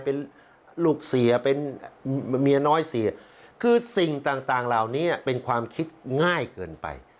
เป็นลูกเสียเป็นเมียน้อยเสียคือสิ่งต่างต่างเหล่านี้เป็นความคิดง่ายเกินไป